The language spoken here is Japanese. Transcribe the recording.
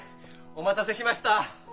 お待たせしました。